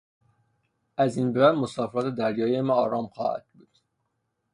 از این به بعد مسافرت دریایی ما آرام خواهد بود.